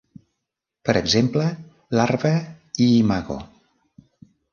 Per exemple larva i imago.